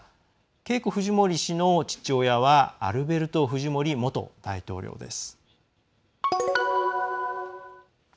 ケイコ・フジモリ氏の父親はアルベルト・フジモリ元大統領です。